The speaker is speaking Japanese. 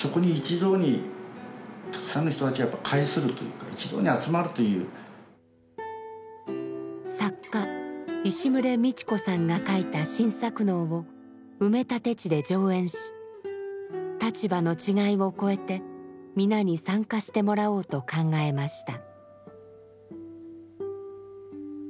だけれども作家石牟礼道子さんが書いた新作能を埋め立て地で上演し立場の違いを超えて皆に参加してもらおうと考えました。